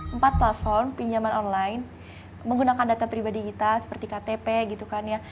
empat platform pinjaman online menggunakan data pribadi kita seperti ktp gitu kan ya